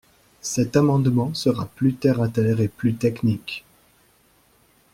Cet amendement sera plus terre à terre et plus technique.